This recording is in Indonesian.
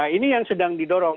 ini yang sedang didorong